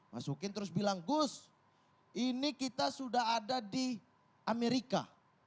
masukin terus bilang gus ini kita sudah ada di amerika